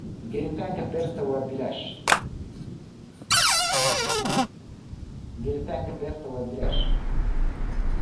Admission to the arboretum is free.